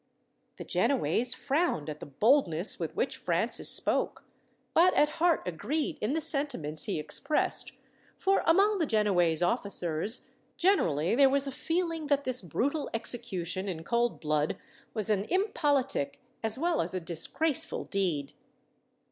The Genoese frowned at the boldness with which Francis spoke, but at heart agreed in the sentiments he expressed; for among the Genoese officers, generally, there was a feeling that this brutal execution in cold blood was an impolitic, as well as a disgraceful deed.